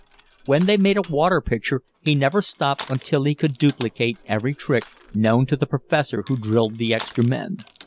When they made a "water" picture he never stopped until he could duplicate every trick known to the "professor" who drilled the extra men.